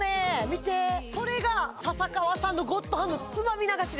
見てそれが笹川さんのゴッドハンドつまみ流しです